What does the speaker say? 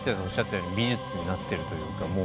おっしゃったように美術になってるというか。